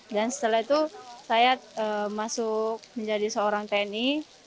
dan setelah itu saya masuk menjadi seorang tni